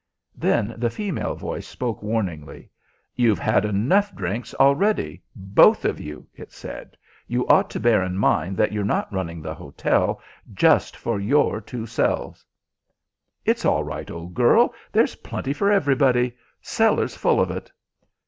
Then the female voice spoke warningly. "You've had enough drinks already, both of you," it said. "You ought to bear in mind that you're not running the hotel just for your two selves." "It's all right, old girl. There's plenty for everybody. Cellar's full of it."